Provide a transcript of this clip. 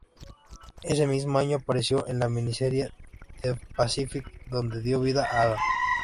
Ese mismo año apareció en la miniserie The Pacific, donde dio vida a Adam.